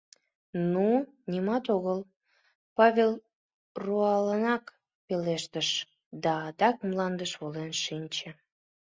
— Ну, нимат огыл! — Павел руалынак пелештыш да адак мландыш волен шинче.